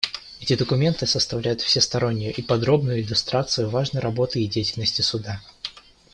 Эти документы составляют всестороннюю и подробную иллюстрацию важной работы и деятельности Суда.